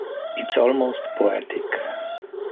It's almost poetic.